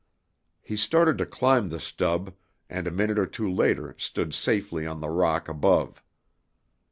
He started to climb the stub, and a minute or two later stood safely on the rock above.